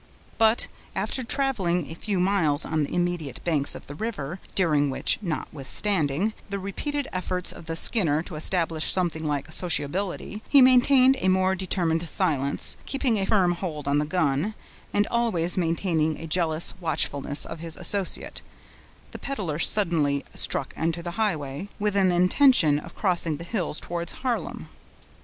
But, after traveling a few miles on the immediate banks of the river, during which, notwithstanding the repeated efforts of the Skinner to establish something like sociability, he maintained a most determined silence, keeping a firm hold of the gun, and always maintaining a jealous watchfulness of his associate, the peddler suddenly struck into the highway, with an intention of crossing the hills towards Harlem.